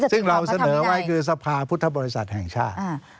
ซึ่งเราเสนอไว้คือสภาพุทธบริษัทแห่งชาติ